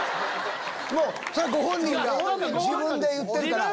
もうそりゃご本人が自分で言ってるから。